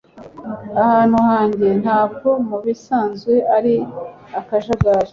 Ahantu hanjye ntabwo mubisanzwe ari akajagari.